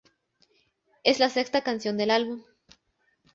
Es la sexta canción del álbum.